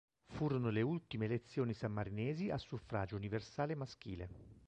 Furono le ultime elezioni sammarinesi a suffragio universale maschile.